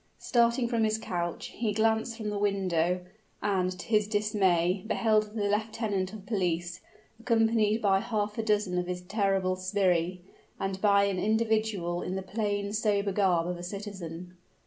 Starting from his couch, he glanced from the window, and, to his dismay, beheld the lieutenant of police, accompanied by half a dozen of his terrible sbirri, and by an individual in the plain, sober garb of a citizen.